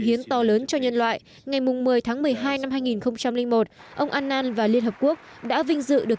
hiến to lớn cho nhân loại ngày một mươi tháng một mươi hai năm hai nghìn một ông annan và liên hợp quốc đã vinh dự được